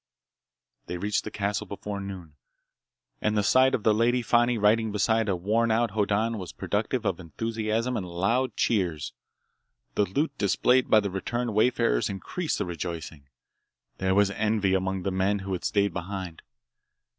They reached the castle before noon, and the sight of the Lady Fani riding beside a worn out Hoddan was productive of enthusiasm and loud cheers. The loot displayed by the returned wayfarers increased the rejoicing. There was envy among the men who had stayed behind.